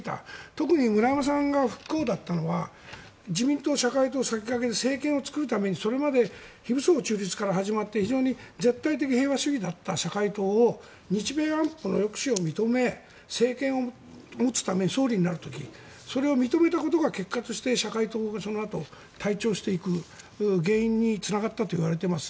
特に村山さんが不幸だったのは自民党、社会党、さきがけで政権を作るためにそれまで非武装でまとまっていたのが非常に絶対的平和主義だった社会党を日米安保の抑止を認め政権を持つために総理になる時に認めたことで結果、総理になった時に社会党が退潮していく原因につながったと思います。